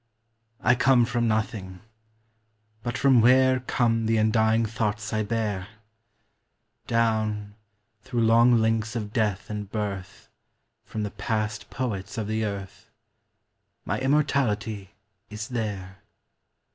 I come from nothing ; but from where Come the undying thoughts 1 bear ? Down, through long links of death and birth, From the past poets of the earth. My immortality is there.